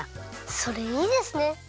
それいいですね！